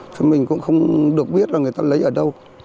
thì mình cũng không được biết là người ta lấy ở đâu